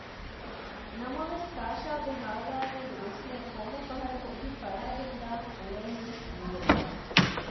ނަމަވެސް ތާޝާގެ ހާލާއިމެދު ވިސްނޭ ކޮންމެ ފަހަރަކު ހިތް ފަޅައިގެންދާން އުޅޭހެންވެސް ހީވެ